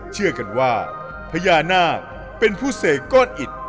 เชื่อกันว่าพญานาคเป็นผู้เสกก้อนอิด